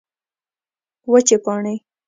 وچې پاڼې